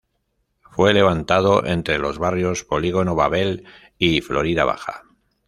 Fue levantado entre los barrios Polígono Babel y Florida Baja.